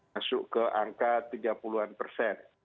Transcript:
masuk ke angka tiga puluh an persen